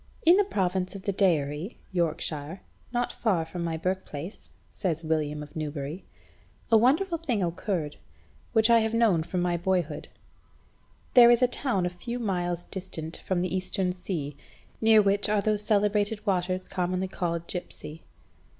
"In the province of the Deiri (Yorkshire), not far from my birthplace," says William of Newbury, "a wonderful thing occurred, which I have known from my boyhood. There is a town a few miles distant from the Eastern Sea, near which are those celebrated waters commonly called Gipse....